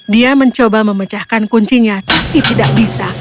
dia mencoba memecahkan kuncinya tapi tidak bisa